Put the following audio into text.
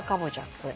これ。